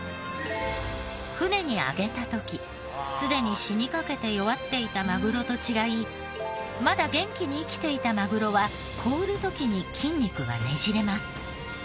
船に揚げた時すでに死にかけて弱っていたマグロと違いまだ元気に生きていたマグロは凍る時に筋肉がねじれます。